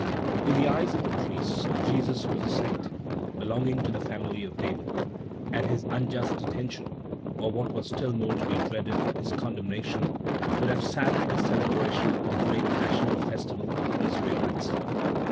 In the eyes of the priests, Jesus was a saint, belonging to the family of David; and his unjust detention, or what was still more to be dreaded his condemnation, would have saddened the celebration of the great national festival of the Israelites.